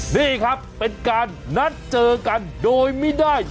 นี่ครับเป็นการนัดเจอกันโดยไม่ได้